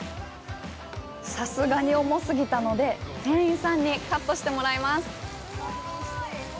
さすがに重すぎたので、店員さんにカットしてもらいます！